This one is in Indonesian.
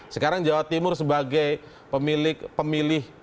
sekarang jawa timur sebagai pemilik pemilih